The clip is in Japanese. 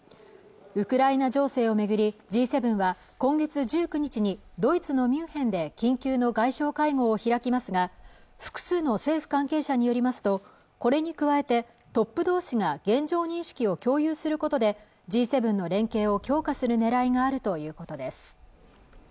ウクライナ情勢をめぐりＧ７は今月１９日にドイツのミュンヘンで緊急の外相会合を開きますが複数の政府関係者によりますとこれに加えてトップ同士が現状認識を共有することでＧ７の連携を強化するねらいがあるということです